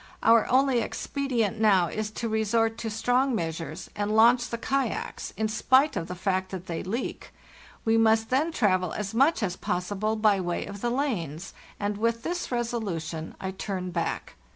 Our only expedient now is to resort to strong measures and launch the kayaks, in spite of the fact that they leak; we must then travel as much as possible by way of the lanes, and with this resolution I turn back.